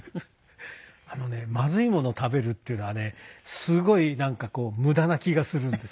あのねまずいものを食べるっていうのはねすごいなんかこう無駄な気がするんです。